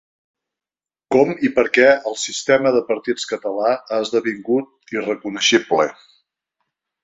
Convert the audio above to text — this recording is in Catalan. Com i per què el sistema de partits català ha esdevingut irreconeixible.